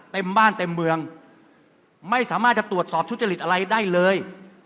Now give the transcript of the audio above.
เต็มบ้านเต็มเมืองไม่สามารถจะตรวจสอบทุจริตอะไรได้เลย